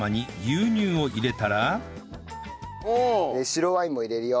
白ワインも入れるよ。